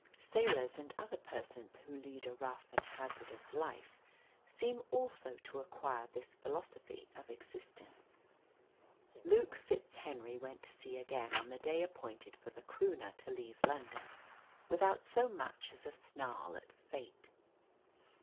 Sailors and other persons who lead a rough and hazardous life seem also to acquire this philosophy of existence. Luke FitzHenry went to sea again on the day appointed for the Croonah to leave London, without so much as a snarl at Fate.